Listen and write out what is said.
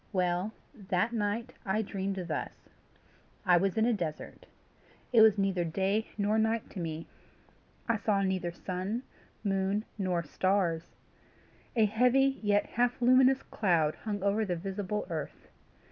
Well, that night, I dreamed thus: I was in a desert. It was neither day nor night to me. I saw neither sun, moon, nor stars. A heavy, yet half luminous cloud hung over the visible earth.